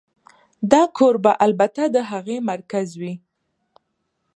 دا کور به البته د هغې مرکز وي